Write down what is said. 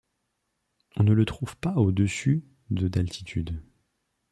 On ne le trouve pas au-dessus de d'altitude.